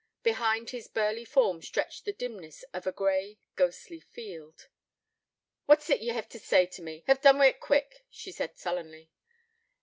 Behind his burly form stretched the dimness of a grey, ghostly field. 'What is't ye hev to say to me? Hev done wi' it quick,' she said sullenly.